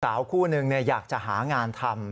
สาวคู่นึงอยากจะหางานทำ